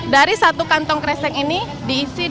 dari satu kantong keresek ini diisi dan